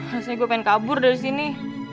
maksudnya gue pengen kabur dari sini